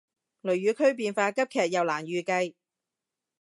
雷雨區變化急劇又難預計